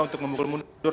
untuk memulai mundur